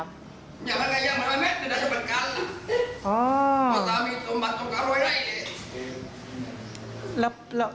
มันยอมใหญ่ทำเมีย